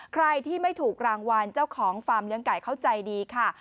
ใครที่ไม่ถูกรางวัลเจ้าของฟาร์มเลี้ยงไก่เขาใจดีค่ะ